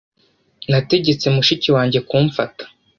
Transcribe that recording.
Nategetse mushiki wanjye kumfata